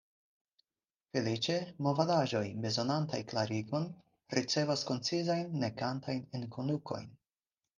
Feliĉe, movadaĵoj, bezonantaj klarigon, ricevas koncizajn nekantajn enkondukojn.